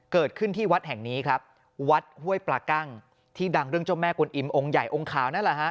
เกิดขึ้นที่วัดแห่งนี้ครับวัดห้วยปลากั้งที่ดังเรื่องเจ้าแม่กวนอิมองค์ใหญ่องค์ขาวนั่นแหละฮะ